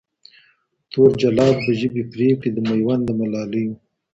تور جلاد به ژبي پرې کړي د میوند د ملالیو